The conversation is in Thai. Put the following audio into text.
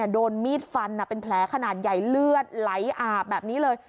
โดนมีดฟันเป็นแผลขนาดใหญ่เลือดไหลอาบแบบนี้เลย